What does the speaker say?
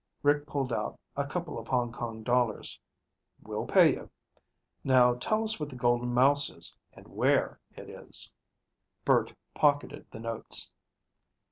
Rick pulled out a couple of Hong Kong dollars. "We'll pay you. Now tell us what the Golden Mouse is, and where it is." Bert pocketed the notes.